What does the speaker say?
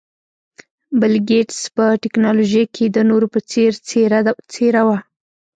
بل ګېټس په ټکنالوژۍ کې د نورو په څېر څېره وه.